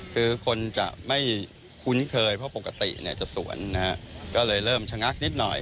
คือคนจะไม่คุ้นเคยเพราะปกติเนี่ยจะสวนนะฮะก็เลยเริ่มชะงักนิดหน่อย